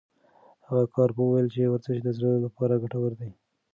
هغه کارپوه وویل چې ورزش د زړه لپاره ګټور دی.